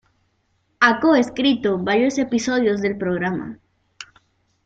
Ha coescrito varios episodios del programa.